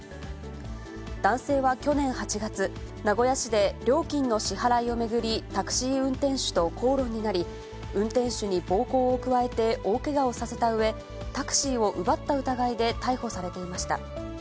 男性は去年８月、名古屋市で料金の支払いを巡り、タクシー運転手と口論になり、運転手に暴行を加えて大けがをさせたうえ、タクシーを奪った疑いで逮捕されていました。